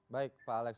baik pak alex